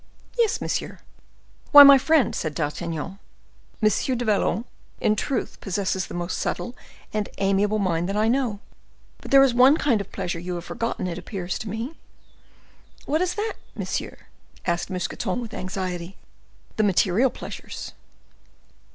"Yes, monsieur." "Why, my friend," said D'Artagnan, "M. du Vallon, in truth, possesses the most subtle and amiable mind that I know. But there is one kind of pleasure you have forgotten, it appears to me." "What is that, monsieur?" asked Mousqueton, with anxiety. "The material pleasures."